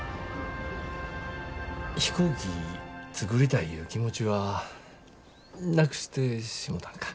飛行機作りたいいう気持ちはなくしてしもたんか？